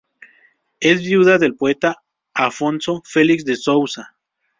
Es viuda del poeta Afonso Felix de Sousa.